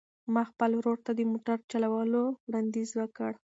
ما خپل ورور ته د موټر د چلولو وړاندیز وکړ.